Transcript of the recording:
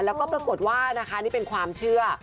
แล้วก็ปรากฏว่านะคะนี่เป็นความเชื่อ